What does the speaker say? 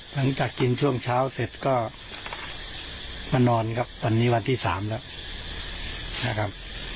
หลังจากกินช่วงเช้าเสร็จก็มานอนครับวันนี้วันที่๓แล้วนะครับ